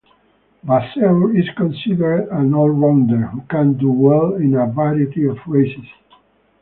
Vasseur is considered an all-rounder who can do well in a variety of races.